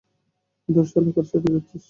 দূর শালা, কার সাথে যাচ্ছিস?